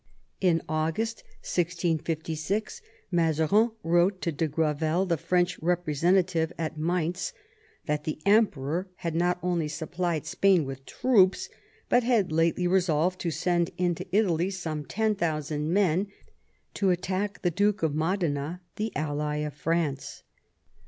In August 1656 Mazarin wrote to de Gravel, the French representative at Mainz, that the Emperor had not only supplied Spain with troops, but had lately resolved to send into Italy some 10,000 men to attack the Duke of Modena, the ally of France.